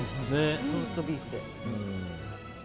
ローストビーフで。